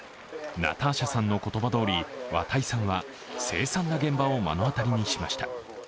ナターシャさんの言葉どおり綿井さんは凄惨な現場を目の当たりにしました。